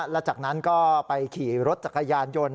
แล้วจากนั้นก็ไปขี่รถจักรยานยนต์